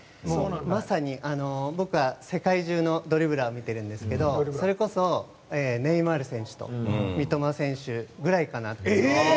まさに、僕は世界中のドリブラーを見ているんですけどそれこそ、ネイマール選手と三笘選手ぐらいかなと。